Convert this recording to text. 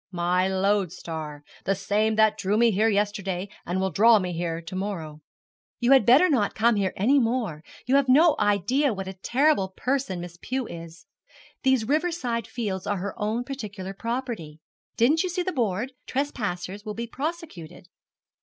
'My load star; the same that drew me here yesterday, and will draw me here to morrow.' 'You had better not come here any more; you have no idea what a terrible person Miss Pew is. These river side fields are her own particular property. Didn't you see the board, "Trespassers will be prosecuted"?'